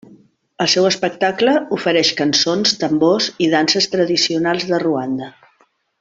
El seu espectacle ofereix cançons, tambors i danses tradicionals de Ruanda.